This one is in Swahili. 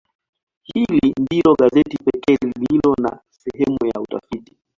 Hili ndilo gazeti pekee lililo na sehemu ya utafiti.